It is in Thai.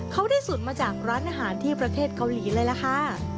เขาได้สุดมาจากร้านอาหารที่ประเทศเกาหลีเลยล่ะค่ะ